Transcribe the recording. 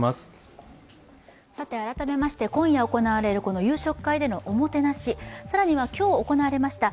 改めまして今夜行われる夕食会でのおもてなし、更には今日行われました